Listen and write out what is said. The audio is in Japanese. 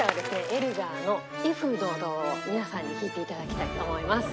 エルガーの『威風堂々』を皆さんに弾いていただきたいと思います。